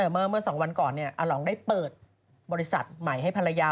เมื่อ๒วันก่อนอาหลองได้เปิดบริษัทใหม่ให้ภรรยา